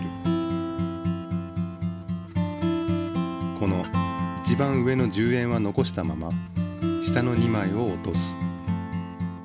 この一番上の１０円は残したまま下の２まいを落とす。